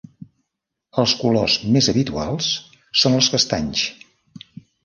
Els colors més habituals són els castanys.